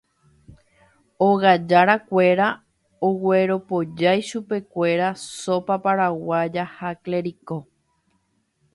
Ogajarakuéra ogueropojái chupekuéra sopa paraguaya ha clericó